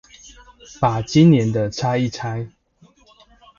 也把今年的拆一拆